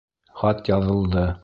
Хат яҙылды.